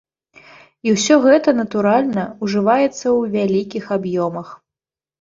І ўсё гэта, натуральна, ужываецца ў вялікіх аб'ёмах.